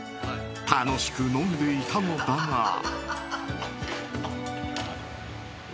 楽しく飲んでいたのだが。